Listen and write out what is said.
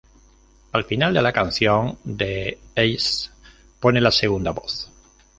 Al final de la canción, The Edge pone la segunda voz.